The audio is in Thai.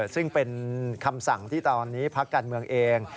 ซึ่งเป็นคำสั่งที่ตอนนี้พักการเมืองเอง